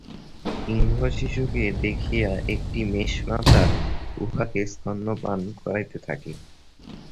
সিংহশিশুকে দেখিয়া একটি মেষমাতা উহাকে স্তন্য পান করাইতে থাকে।